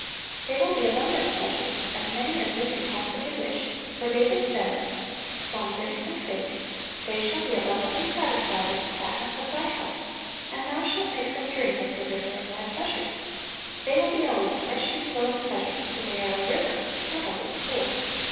They will be abundant pleasures, as many as we can possibly wish, for David says (Ps. xxxvi. 8), " They shall be abundantly satisfied with the fatness of Thy house, and Thou shalt make them drink of the river of Thy pleas ures." They will be always freshly flowing pleasures, for they are a river, not a little pool.